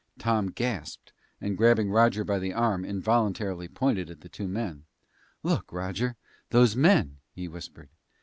Tom gasped, and grabbing Roger by the arm, involuntarily pointed at the two men. "Look, Roger those men " he whispered.